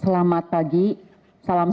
selamat pagi salam salam